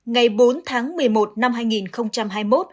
ngày bốn tháng một mươi một năm hai nghìn hai mươi một